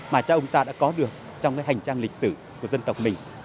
mà cha ông ta đã có được trong cái hành trang lịch sử của dân tộc mình